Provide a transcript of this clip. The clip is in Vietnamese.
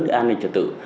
để an ninh trật tự